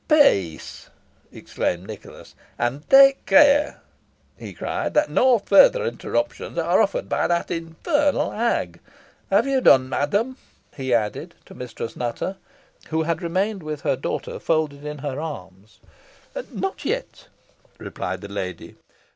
"Peace!" exclaimed Nicholas; "and take care," he cried, "that no further interruptions are offered by that infernal hag. Have you done, madam?" he added to Mistress Nutter, who still remained with her daughter folded in her arms. "Not yet," replied the lady.